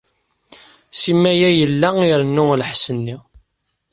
Simal ay yella irennu lḥess-nni.